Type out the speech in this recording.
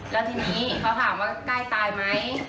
แล้วทีนี้เขาถามว่าไกลตายมั้ย